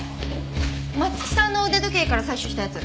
松木さんの腕時計から採取したやつ？